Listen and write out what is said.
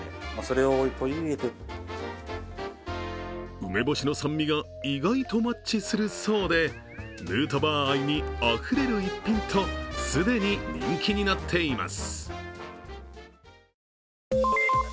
梅干しの酸味が意外とマッチするそうでヌートバー愛にあふれる一品と既に人気になっています。